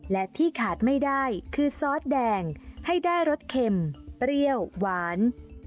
และที่ขาดไม่ได้คือซอสแดงให้ได้รสเค็มเปรี้ยวหวาน